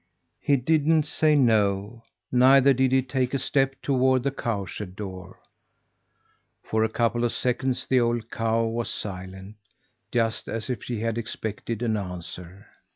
He didn't say no; neither did he take a step toward the cowshed door. For a couple of seconds the old cow was silent just as if she had expected an answer.